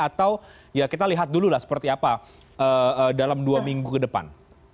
atau ya kita lihat dulu lah seperti apa dalam dua minggu ke depan